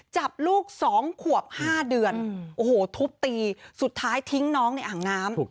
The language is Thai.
จับลูก๒ขวบ๕เดือนโอ้โหทุบตีสุดท้ายทิ้งน้องในอ่างน้ำ